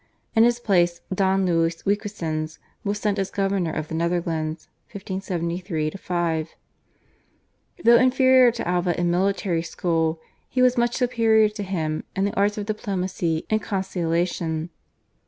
In his place Don Louis Requesens was sent as governor of the Netherlands (1573 5). Though inferior to Alva in military skill he was much superior to him in the arts of diplomacy and conciliation.